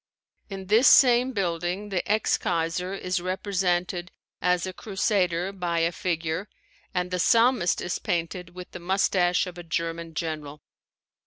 In this same building the ex kaiser is represented as a crusader by a figure and the Psalmist is painted with the moustache of a German general.